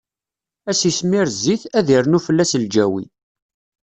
Ad s-ismir zzit, ad d-irnu fell-as lǧawi.